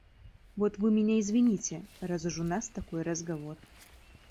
Вот Вы меня извините, раз уж у нас такой разговор.